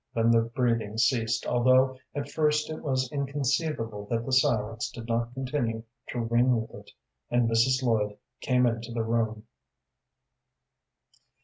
Then the breathing ceased, although at first it was inconceivable that the silence did not continue to ring with it, and Mrs. Lloyd came into the room.